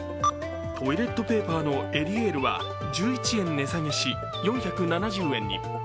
トイレットペーパーのエリエールは１１円値下げし、４７０円に。